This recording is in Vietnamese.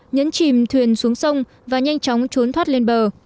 nhấn chìm thuyền xuống sông và nhanh chóng trốn thoát lên bờ